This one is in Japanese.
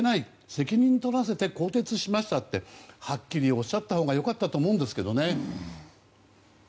責任取らせて更迭しましたってはっきりおっしゃったほうが良かったと思うんですけどね。